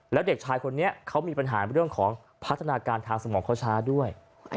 แล้วเด็กชายคนนี้เขามีปัญหาเรื่องของพัฒนาการทางสมองเขาช้าด้วย